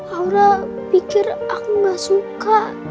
aura pikir aku gak suka